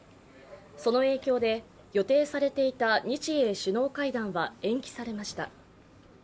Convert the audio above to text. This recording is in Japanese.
その影響で、予定されていた日英首脳会談は延期されました。